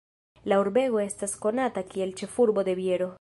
La urbego estas konata kiel "Ĉefurbo de biero".